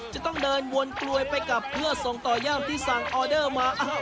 จะต้องเดินวนกลวยไปกลับเพื่อส่งต่อย่ามที่สั่งออเดอร์มา